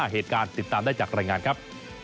เหตุการณ์ติดตามได้จากรายงานครับ